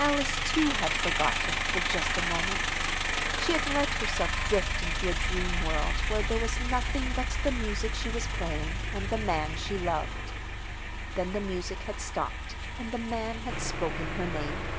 Alice, too, had forgotten, for just a moment. She had let herself drift into a dream world where there was nothing but the music she was playing and the man she loved. Then the music had stopped, and the man had spoken her name.